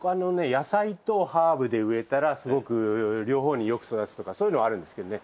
野菜とハーブで植えたらすごく両方によく育つとかそういうのはあるんですけどね。